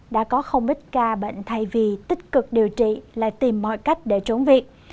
đã có không ít ca bệnh thay vì tích cực điều trị lại tìm mọi cách để trốn viện